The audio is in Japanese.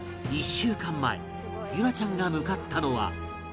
１週間前結桜ちゃんが向かったのは